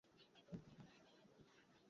আমি ওর বাবা, নামেই শুধু!